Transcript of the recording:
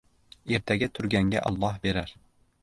• Erta turganga Alloh berar.